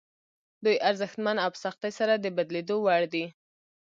دوی ارزښتمن او په سختۍ سره د بدلېدو وړ دي.